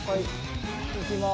いきます。